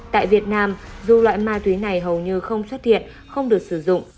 tại việt nam dù loại ma túy này hầu như không xuất hiện không được sử dụng